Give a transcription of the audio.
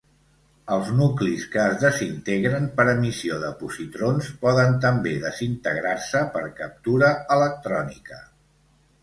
Els nuclis que es desintegren per emissió de positrons poden també desintegrar-se per captura electrònica.